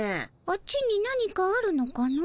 あっちに何かあるのかの？